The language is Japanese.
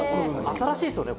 新しいですよね